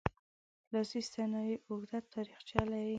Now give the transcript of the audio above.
لاسي صنایع اوږده تاریخچه لري.